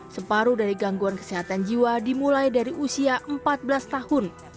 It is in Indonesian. separuh dari gangguan kesehatan jiwa dimulai dari usia empat belas tahun